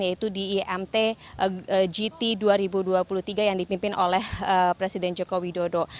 yaitu di imt gt dua ribu dua puluh tiga yang dipimpin oleh presiden joko widodo